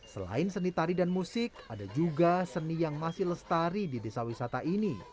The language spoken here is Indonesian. selain seni tari dan musik ada juga seni yang masih lestari di desa wisata ini